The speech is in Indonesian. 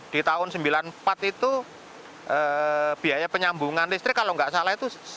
di tahun seribu sembilan ratus sembilan puluh empat itu biaya penyambungan listrik kalau nggak salah itu